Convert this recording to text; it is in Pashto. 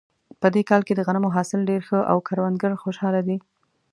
په دې کال کې د غنمو حاصل ډېر ښه و او کروندګر خوشحاله دي